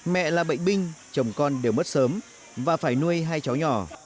mẹ là bệnh binh chồng con đều mất sớm và phải nuôi hai cháu nhỏ